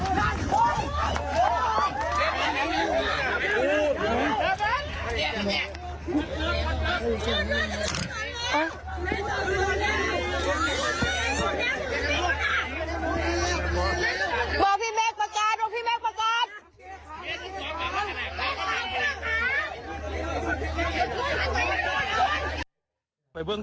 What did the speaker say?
วางพี่แมกประการวองพี่แมกประการ